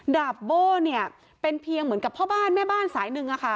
ดาบโบ้เนี่ยเป็นเพียงเหมือนกับพ่อบ้านแม่บ้านสายหนึ่ง